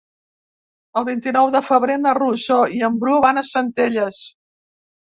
El vint-i-nou de febrer na Rosó i en Bru van a Centelles.